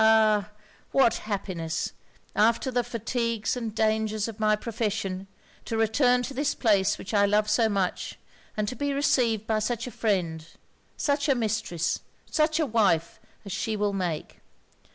ah, what happiness, after the fatigues and dangers of my profession, to return to this place which I love so much, and to be received by such a friend such a mistress such a wife as she will make!'